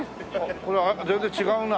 これ全然違うな。